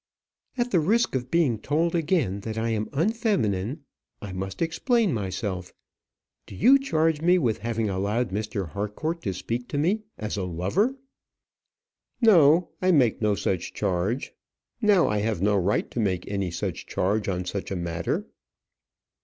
"At the risk of being told again that I am unfeminine, I must explain myself. Do you charge me with having allowed Mr. Harcourt to speak to me as a lover?" "No; I make no such charge. Now, I have no right to make any charge on such a matter."